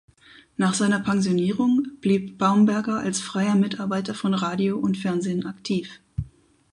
Nach seiner Pensionierung blieb Baumberger als freier Mitarbeiter von Radio und Fernsehen aktiv.